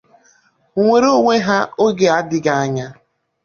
nwere onwe ha oge adịghị anya